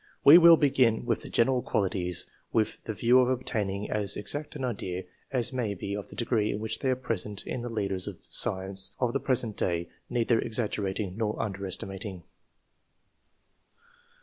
We will begin with the general qualities, with the view of obtaining as exact an idea as may be of the ^ in which they are present in the leaders of II.] QUALITIES. ^5 science of the present day, neither exaggerating nor under estimating.